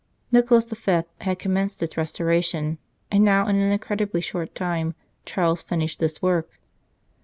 Nicolas V. had commenced its restoration, and now in an incredibly short time Charles finished this work.